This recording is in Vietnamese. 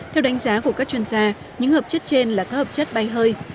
theo đánh giá của các chuyên gia những hợp chất trên là các hợp chất bay hơi